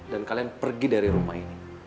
dan kalian pergi dari rumah ini